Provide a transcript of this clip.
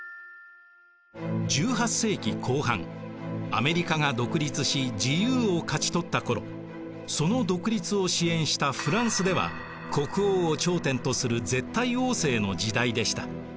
アメリカが独立し自由を勝ち取った頃その独立を支援したフランスでは国王を頂点とする絶対王政の時代でした。